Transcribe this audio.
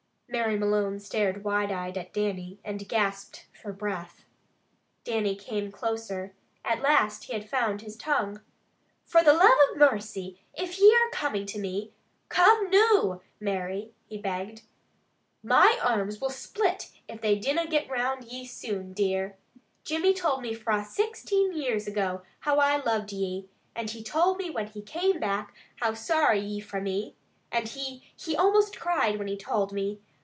Mary Malone stared wide eyed at Dannie, and gasped for breath. Dannie came closer. At last he had found his tongue. "Fra the love of mercy, if ye are comin' to me, come noo, Mary" he begged. "My arms will split if they dinna get round ye soon, dear. Jimmy told ye fra me, sixteen years ago, how I loved ye, and he told me when he came back how sorry ye were fra me, and he he almost cried when he told me.